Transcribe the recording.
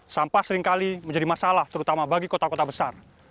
sampah seringkali menjadi masalah terutama bagi kota kota besar